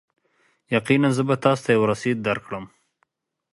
یقینا، زه به تاسو ته یو رسید درکړم.